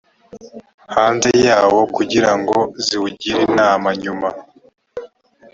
hanze yawo kugira ngo ziwugire inama nyuma